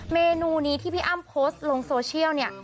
เมนูนี้ที่พี่อ้ำโพสต์ลงโซเชียลเนี่ย